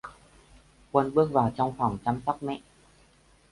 Quân bước vào trong phòng chăm sóc mẹ